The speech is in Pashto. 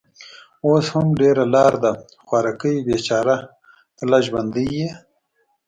اوس هم ډېره لار ده. خوارکۍ، بېچاره، ته لا ژوندۍ يې؟